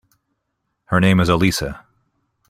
Her name is Elisa.